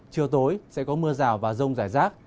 chiều tối sẽ có mưa rào và rông rải rác